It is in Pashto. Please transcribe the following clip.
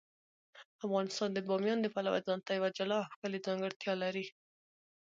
افغانستان د بامیان د پلوه ځانته یوه جلا او ښکلې ځانګړتیا لري.